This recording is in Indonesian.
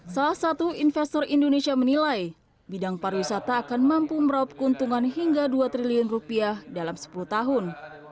salah satu investor indonesia menilai bidang pariwisata akan mampu meraup keuntungan hingga dua triliun rupiah dalam sepuluh tahun